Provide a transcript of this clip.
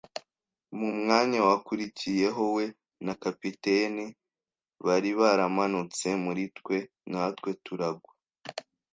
Mu mwanya wakurikiyeho we na capitaine bari baramanutse muri twe, natwe turagwa